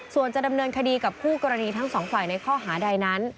ส่วนจะดำเนินคดีกับคู่กรณีทั้งสองฝ่ายในข้อหาใดนั้น